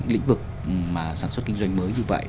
lĩnh vực mà sản xuất kinh doanh mới như vậy